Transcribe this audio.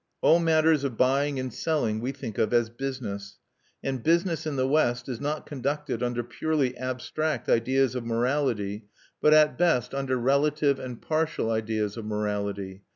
All matters of buying and selling we think of as "business"; and business in the West is not conducted under purely abstract ideas of morality, but at best under relative and partial ideas of morality.